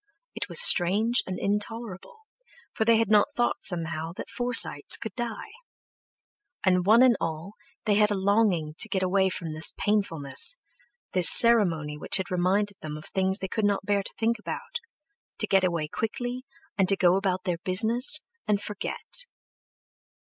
It was strange and intolerable, for they had not thought somehow, that Forsytes could die. And one and all they had a longing to get away from this painfulness, this ceremony which had reminded them of things they could not bear to think about—to get away quickly and go about their business and forget.